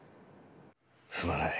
すまない。